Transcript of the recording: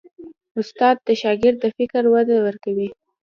استاد د شاګرد فکر ته وده ورکوي.